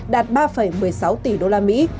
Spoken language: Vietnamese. đạt ba một mươi sáu tỷ đô la mỹ